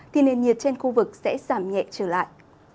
thì nền nhiệt trên khu vực sẽ giảm nhẹ trở lại